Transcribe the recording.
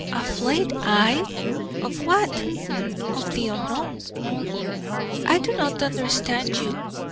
'Aflaid! I! of what?' 'Of the unknown.' 'I do not understand you.